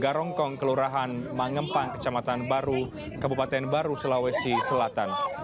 garongkong kelurahan mangempang kecamatan baru kabupaten baru sulawesi selatan